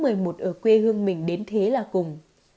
ở quê hương mình đến thế là cùng